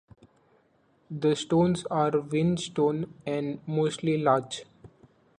The stones are whinstone and mostly large.